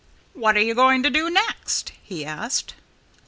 "What are you going to do next?" he asked.